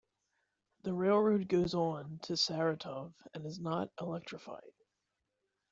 The railroad goes on to Saratov and is not electrified.